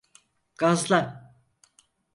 Gazla!